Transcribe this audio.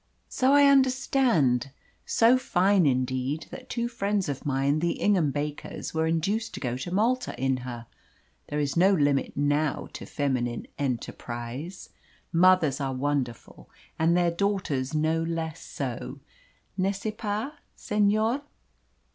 "So I understand. So fine, indeed, that two friends of mine, the Ingham Bakers, were induced to go to Malta in her. There is no limit now to feminine enterprise. Mothers are wonderful, and their daughters no less so. N'est ce pas, Senor?"